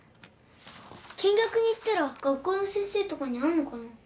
見学に行ったら学校の先生とかに会うのかな？